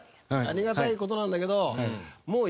ありがたい事なんだけどもう